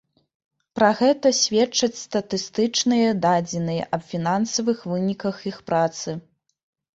Пра гэта сведчаць статыстычныя дадзеныя аб фінансавых выніках іх працы.